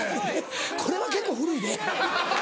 これは結構古いで。